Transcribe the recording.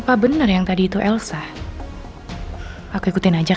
sampai jumpa di video selanjutnya